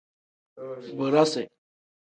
Bodasi.